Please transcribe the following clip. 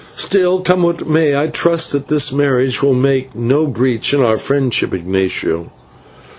Still, come what may, I trust that this marriage will make no breach in our friendship, Ignatio."